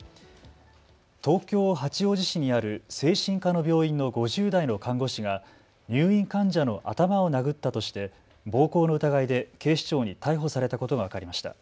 東京八王子市にある精神科の病院の５０代の看護師が入院患者の頭を殴ったとして暴行の疑いで警視庁に逮捕されたことが分かりました。